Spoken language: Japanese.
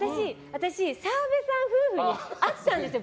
私、澤部さん夫婦に会ったんですよ